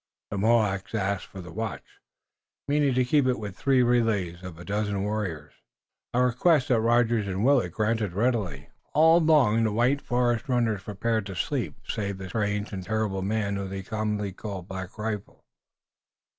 The Mohawks asked for the watch, meaning to keep it with three relays of a dozen warriors each, a request that Rogers and Willet granted readily, and all the white forest runners prepared for sleep, save the strange and terrible man whom they commonly called Black Rifle.